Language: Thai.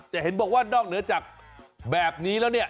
แต่เห็นบอกว่านอกเหนือจากแบบนี้แล้วเนี่ย